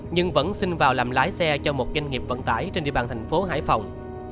nhưng vẫn xin vào làm lái xe cho một doanh nghiệp vận tải trên địa bàn thành phố hải phòng